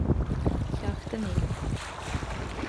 Ceacht a naoi